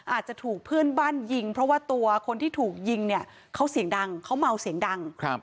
อาจจะถูกเพื่อนบ้านยิงเพราะว่าตัวคนที่ถูกยิงเนี่ยเขาเสียงดังเขาเมาเสียงดัง